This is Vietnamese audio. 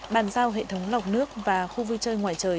bàn giao hệ thống lọc nước và khu vui chơi ngoài trời